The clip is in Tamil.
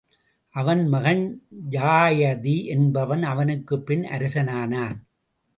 அவன் மகன் யயாதி என்பவன் அவனுக்குப்பின் அரசனானான்.